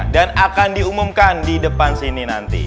dan akan diumumkan di depan sini nanti